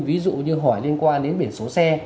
ví dụ như hỏi liên quan đến biển số xe